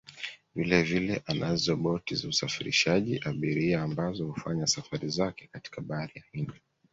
Vilevile anazo boti za usafirishaji abiria ambazo hufanya safari zake katika Bahari ya Hindi